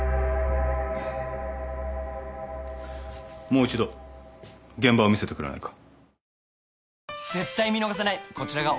もう一度現場を見せてくれないか？